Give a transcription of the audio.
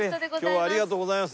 今日はありがとうございます。